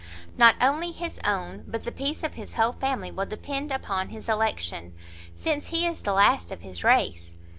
"Not only his own, but the peace of his whole family will depend upon his election, since he is the last of his race.